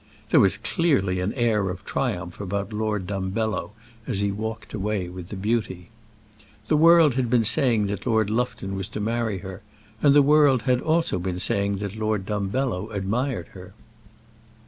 There was clearly an air of triumph about Lord Dumbello as he walked away with the beauty. The world had been saying that Lord Lufton was to marry her, and the world had also been saying that Lord Dumbello admired her.